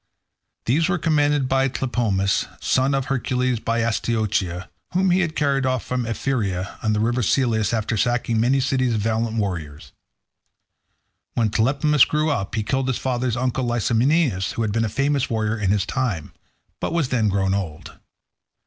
These were commanded by Tlepolemus, son of Hercules by Astyochea, whom he had carried off from Ephyra, on the river Selleis, after sacking many cities of valiant warriors. When Tlepolemus grew up, he killed his father's uncle Licymnius, who had been a famous warrior in his time, but was then grown old.